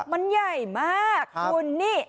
มันใหญ่มากคุณนี่